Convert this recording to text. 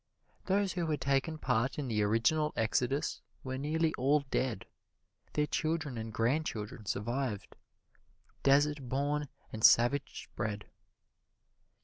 Those who had taken part in the original exodus were nearly all dead their children and grandchildren survived, desert born and savage bred.